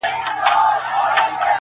زما سره يې دومره ناځواني وكړله .